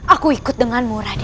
aku ikut denganmu raden